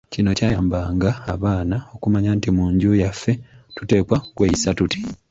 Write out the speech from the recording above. Kino kyayambanga abaana okumanya nti mu nju yaffe tuteekwa kweyisa tuti.